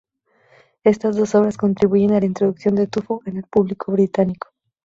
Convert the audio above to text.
Estas dos obras contribuyeron a la introducción de Tu Fu en el público británico.